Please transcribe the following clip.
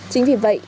chính vì vậy